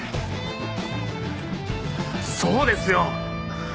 そうですよ！